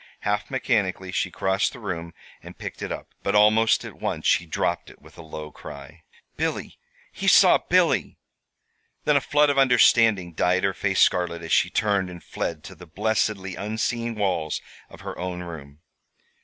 Half mechanically she crossed the room and picked it up; but almost at once she dropped it with a low cry. "Billy! He saw Billy!" Then a flood of understanding dyed her face scarlet as she turned and fled to the blessedly unseeing walls of her own room.